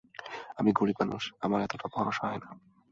আমি গরিব মানুষ, আমার অতটা ভরসা হয় না।